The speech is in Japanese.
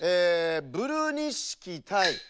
ブルにしきたい。